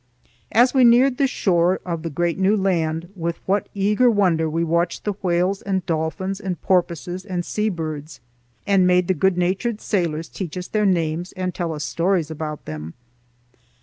As we neared the shore of the great new land, with what eager wonder we watched the whales and dolphins and porpoises and seabirds, and made the good natured sailors teach us their names and tell us stories about them!